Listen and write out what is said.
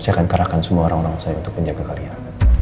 saya akan kerahkan semua orang orang saya untuk menjaga kalian